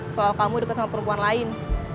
soal kamu dekat sama perempuan lain